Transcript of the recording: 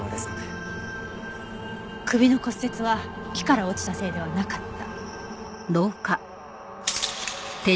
首の骨折は木から落ちたせいではなかった。